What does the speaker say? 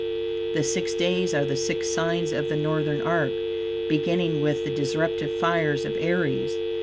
The six days are the six signs of the northern arc, beginning with the disruptive fires of Aries.